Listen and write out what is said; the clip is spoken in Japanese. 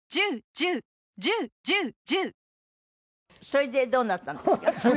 それでどうなったんですか？